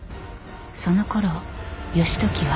そのころ義時は。